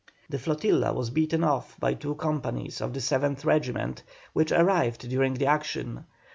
The flotilla was beaten off by two companies of the 7th Regiment, which arrived during the action.